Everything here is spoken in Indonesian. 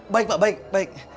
baik pak baik baik